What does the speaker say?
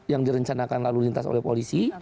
yang direncanakan lalu lintas oleh polisi